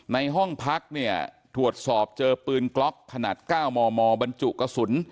ในห้องพักเนี่ยตรวจสอบเจอปืนกล็อกขนาด๙มมบรรจุกระสุน